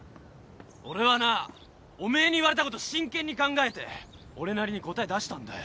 俺はなおめえに言われたこと真剣に考えて俺なりに答え出したんだよ。